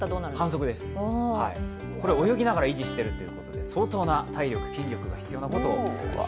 反則です、これを泳ぎながら維持しているということで、相当な体力、筋力が必要です。